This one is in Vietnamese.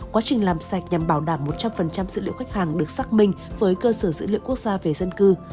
quá trình làm sạch nhằm bảo đảm một trăm linh dữ liệu khách hàng được xác minh với cơ sở dữ liệu quốc gia về dân cư